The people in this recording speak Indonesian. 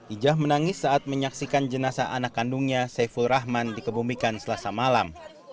ijah menangis saat menyaksikan jenasa anak kandungnya saiful rahman dikebumikan selasa malam